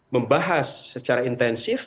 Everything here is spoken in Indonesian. membahas secara intensif